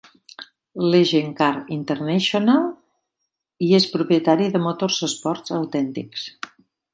Legends Cars International, i és propietari de Motorsports Authentics.